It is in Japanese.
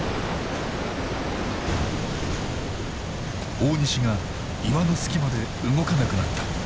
大西が岩の隙間で動かなくなった。